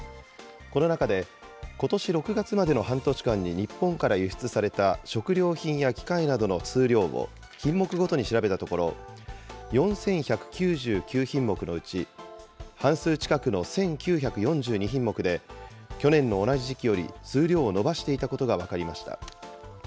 この中で、ことし６月までの半年間に日本から輸出された食料品や機械などの数量を品目ごとに調べたところ、４１９９品目のうち半数近くの１９４２品目で、去年の同じ時期より数量を伸ばしていたことが分かりました。